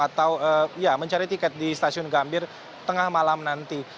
atau mencari tiket di stasiun gambir tengah malam nanti